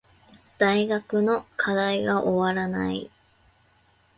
大学の課題が終わらない